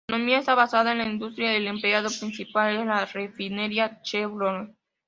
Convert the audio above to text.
La economía está basada en la industria; el empleador principal es la refinería Chevron.